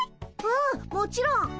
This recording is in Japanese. うんもちろん。